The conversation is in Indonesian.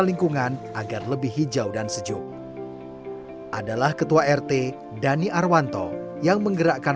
lingkungan agar lebih hijau dan sejuk adalah ketua rt dhani arwanto yang menggerakkan